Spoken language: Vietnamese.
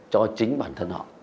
cho chính bản thân họ